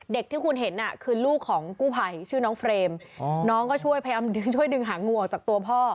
ที่คุณเห็นคือลูกของกู้ภัยชื่อน้องเฟรมน้องก็ช่วยพยายามช่วยดึงหางูออกจากตัวพ่อ